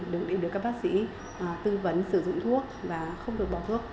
đều được các bác sĩ tư vấn sử dụng thuốc và không được bỏ thuốc